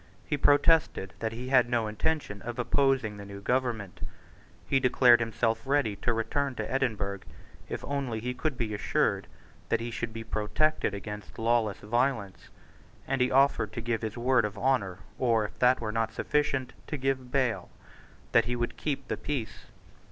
He protested that he had no intention of opposing the new government. He declared himself ready to return to Edinburgh, if only he could be assured that he should be protected against lawless violence; and he offered to give his word of honour, or, if that were not sufficient, to give bail, that he would keep the peace.